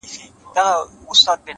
مهرباني د انسانیت تر ټولو ساده ځواک دی,